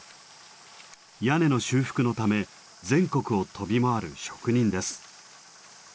屋根の修復のため全国を飛び回る職人です。